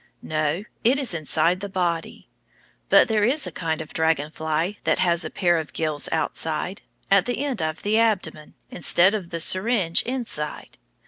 No, it is inside the body. But there is a kind of dragon fly that has a pair of gills outside, at the end of the abdomen, instead of the syringe inside.